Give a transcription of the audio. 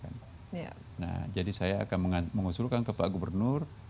nah jadi saya akan mengusulkan ke pak gubernur